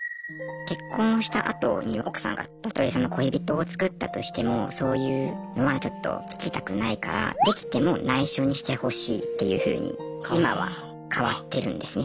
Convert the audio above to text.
結婚したあとに奥さんがたとえ恋人を作ったとしてもそういうのはちょっと聞きたくないからっていうふうに今は変わってるんですね。